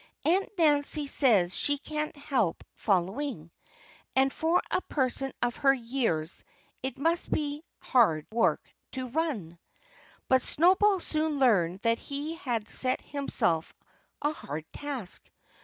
"Aunt Nancy says she can't help following. And for a person of her years it must be hard work to run." But Snowball soon learned that he had set himself a hard task.